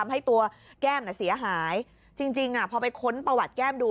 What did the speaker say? ให้ตัวแก้มเสียหายจริงพอไปค้นประวัติแก้มดู